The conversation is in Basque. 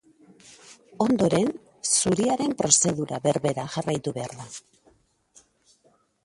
Ondoren, zuriaren prozedura berbera jarraitu behar da.